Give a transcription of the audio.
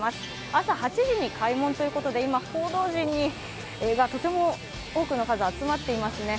朝８時に開門ということで今、報道陣がとても多くの数、集まっていますね。